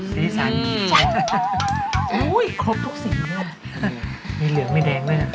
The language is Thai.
สีสันโอ้ยครบทุกสีอ่ะมีเหลืองมีแดงด้วยอ่ะ